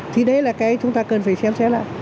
thì đấy là cái chúng ta cần phải xem xét lại